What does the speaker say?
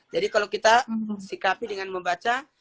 jadi kalau kita sikapi dengan membaca